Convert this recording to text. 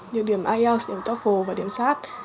được điểm ielts điểm toefl và điểm sat